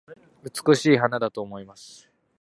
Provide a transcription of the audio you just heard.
美しい花だと思います